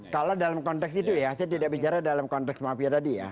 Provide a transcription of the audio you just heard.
kalau dalam konteks itu ya saya tidak bicara dalam konteks mafia tadi ya